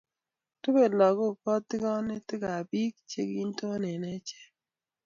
Rubei lagok katikonetab biik che kinton eng' ichek